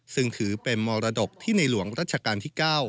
ซึ่งถือเป็นมรดกที่ในหลวงรัชกาลที่๙